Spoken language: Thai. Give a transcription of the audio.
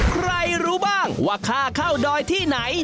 รู้บ้างว่าค่าเข้าดอยที่ไหน